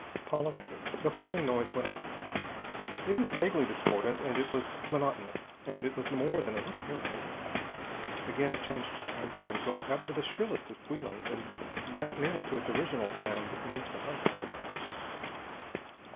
Paula waited. The whistling noise went on. It was vaguely discordant, and it was monotonous, and it was more than a little irritating. Again it changed timbre, going up to the shrillest of squealings, and back nearly to its original sound an instant later.